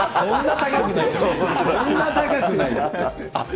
そんな高くないよ。